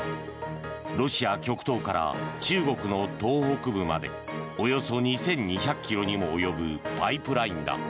ロシア極東から中国の東北部までおよそ２２００ｋｍにも及ぶパイプラインだ。